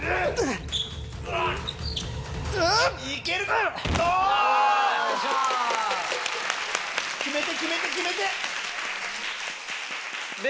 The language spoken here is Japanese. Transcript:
行けるか⁉決めて決めて決めて！